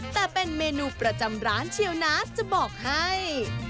แต่เป็นเมนูประจำร้านเชียวนะจะบอกให้